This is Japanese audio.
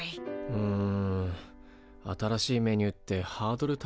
うん。